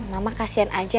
mama kasian aja